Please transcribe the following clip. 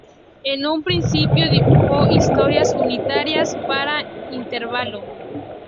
En un principio dibujó historias unitarias para Intervalo.